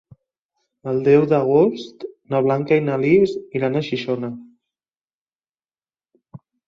El deu d'agost na Blanca i na Lis iran a Xixona.